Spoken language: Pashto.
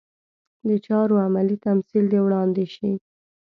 د چارو عملي تمثیل دې وړاندې شي.